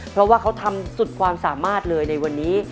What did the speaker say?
เพราะว่าเขาทำสุดความสามารถเลยในวันนี้